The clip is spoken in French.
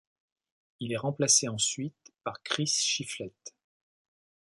Il est remplacé ensuite par Chris Shiflett.